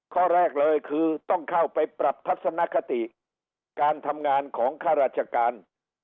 ข้อแรกเลยคือต้องเข้าไปปรับทัศนคติการทำงานของข้าราชการ